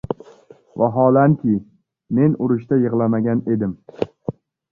vaholanki, men urushda yig‘lamagan edim.